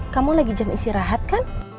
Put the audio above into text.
kamu lagi jam istirahat kan